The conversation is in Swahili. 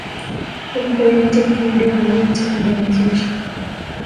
umkco united kingdom maritime organization